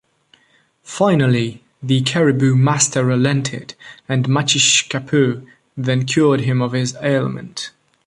Finally, the Caribou Master relented, and Matshishkapeu then cured him of his ailment.